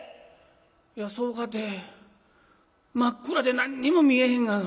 「いやそうかて真っ暗で何にも見えへんがな。